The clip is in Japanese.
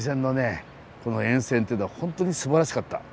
沿線っていうのはホントにすばらしかった。